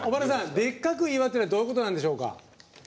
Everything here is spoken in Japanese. でっかく祝うっていうのはどういうことでしょうか？